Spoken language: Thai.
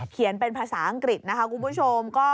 เขียนเป็นภาษาอังกฤษนะคะคุณผู้ชม